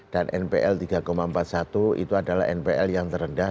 dan npl tiga empat puluh satu itu adalah npl yang terendah